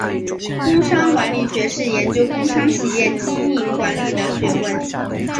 工商管理学是研究工商企业经营管理的学问。